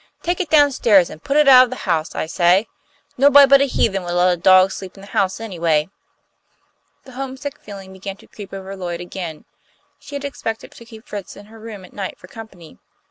"Take it down stairs, and put it out of the house, I say! Nobody but a heathen would let a dog sleep in the house, anyway." The homesick feeling began to creep over Lloyd again. She had expected to keep Fritz in her room at night for company.